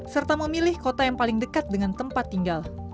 serta memilih kota yang paling dekat dengan tempat tinggal